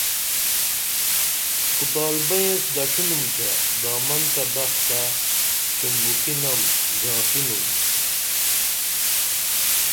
کوتال بئیں ایس دڇھینُم تے دامن تہ بخ تہ ٹُمبوکی نم ژاں پینُن